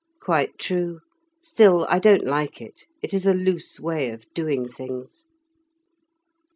"Quite true. Still I don't like it; it is a loose way of doing things."